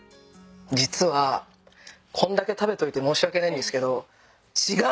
実はこんだけ食べといて申し訳ないんですけど。